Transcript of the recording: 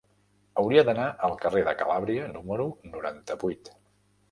Hauria d'anar al carrer de Calàbria número noranta-vuit.